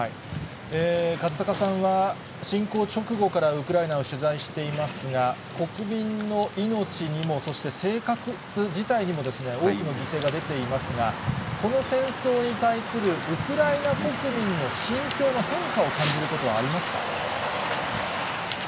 和孝さんは、侵攻直後からウクライナを取材していますが、国民の命にも、そして生活自体にも大きな犠牲が出ていますが、この戦争に対する、ウクライナ国民の心境の変化を感じることはありますか？